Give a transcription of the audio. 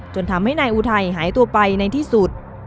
จนทำให้นายอุทัยหายตัวไปในที่สุด